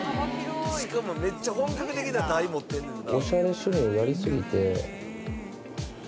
しかもめっちゃ本格的な台持ってんねんな。